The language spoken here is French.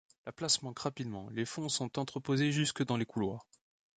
La place manque rapidement, les fonds sont entreposés jusque dans les couloirs.